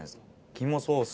肝ソース